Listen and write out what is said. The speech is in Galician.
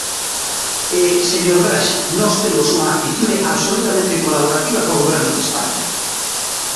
E, señor Braxe, nós temos unha actitude absolutamente colaborativa co Goberno de España.